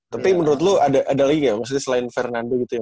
tapi menurut lu ada lagi ya maksudnya selain fernando gitu ya